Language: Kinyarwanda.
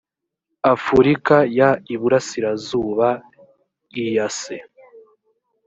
afurika y iburasirazuba eac